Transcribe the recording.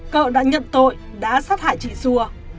cỡ đã nhận tội đã sát hại chị xua